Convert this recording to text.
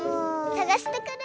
さがしてくる！